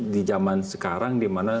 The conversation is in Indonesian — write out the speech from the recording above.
di zaman sekarang dimana